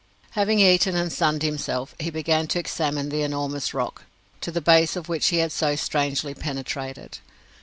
Having eaten and sunned himself, he began to examine the enormous rock, to the base of which he had so strangely penetrated.